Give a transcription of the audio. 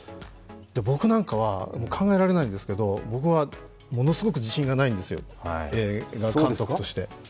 僕なんかは考えられないんですけど、僕はものすごく自信がないんですよ、映画監督として。